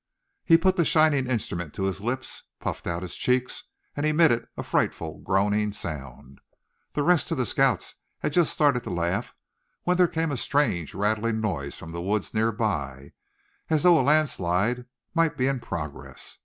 He put the shining instrument to his lips, puffed out his cheeks, and emitted a frightful groaning sound. The rest of the scouts had just started to laugh when there came a strange, rattling noise from the woods near by, as though a landslide might be in progress.